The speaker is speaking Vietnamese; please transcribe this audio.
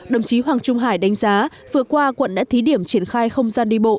đồng chí hoàng trung hải đánh giá vừa qua quận đã thí điểm triển khai không gian đi bộ